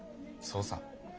そうさ。